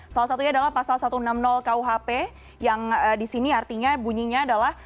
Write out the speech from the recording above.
salah satunya adalah pasal satu ratus enam puluh kuhp yang disini artinya bunyinya adalah